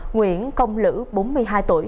nguyễn công lữ bốn mươi hai tuổi